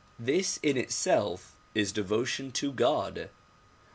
This in itself is devotion to God.